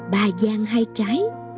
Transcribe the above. bà giang hai trái